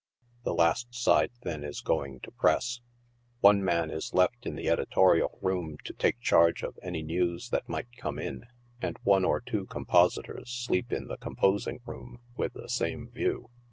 The last side then is going to press. One man is left in the editorial room to take charge of any news that might corns in, and one or two compositors sleep in the composing room with the same view.